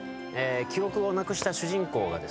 記憶をなくした主人公がですね